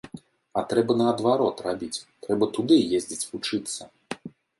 А трэба наадварот рабіць, трэба туды ездзіць вучыцца!